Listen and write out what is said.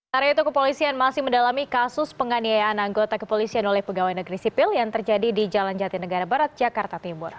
hari itu kepolisian masih mendalami kasus penganiayaan anggota kepolisian oleh pegawai negeri sipil yang terjadi di jalan jati negara barat jakarta timur